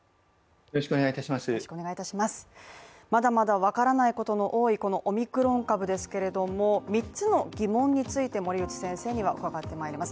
まだまだわからないことの多いこのオミクロン株ですけれども、三つの疑問について森内先生には伺ってまいります。